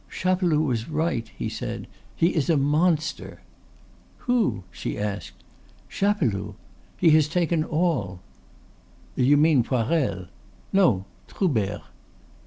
"Chapeloud was right," he said; "he is a monster!" "Who?" she asked. "Chapeloud. He has taken all." "You mean Poirel?" "No, Troubert."